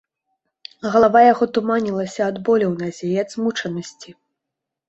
Галава яго туманілася ад болю ў назе і ад змучанасці.